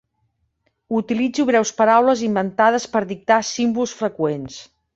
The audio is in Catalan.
Utilitzo breus paraules inventades per dictar símbols freqüents.